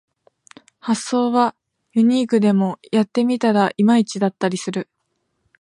発想はユニークでもやってみたらいまいちだったりする